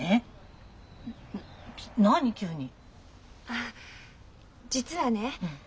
あっ実はね